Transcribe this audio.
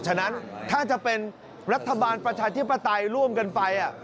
ฉะนั้นถ้าจะเป็นรัฐบาลประชาธิปไตยร่วมกันไป